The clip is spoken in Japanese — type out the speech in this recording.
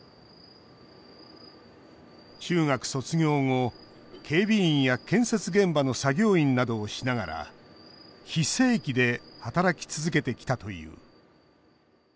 中学卒業後、警備員や建設現場の作業員などをしながら非正規で働き続けてきたという。